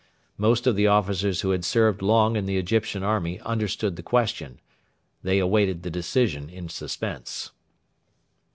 Most of the officers who had served long in the Egyptian army understood the question. They waited the decision in suspense.